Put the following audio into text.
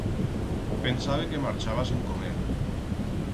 Pensabe que marchabas en comer.